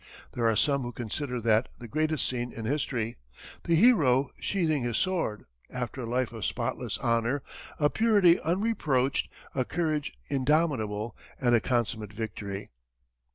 There are some who consider that the greatest scene in history the hero sheathing his sword "after a life of spotless honor, a purity unreproached, a courage indomitable, and a consummate victory."